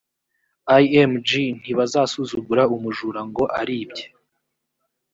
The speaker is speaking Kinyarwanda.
img ntibasuzugura umujura ngo aribye